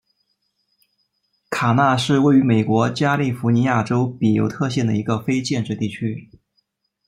卡纳是位于美国加利福尼亚州比尤特县的一个非建制地区。